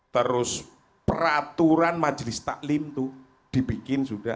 terus peraturan majelis taklim itu dibikin sudah